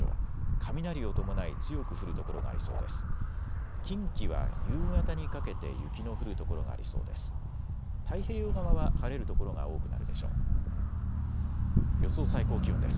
雷を伴い強く降る所がありそうです。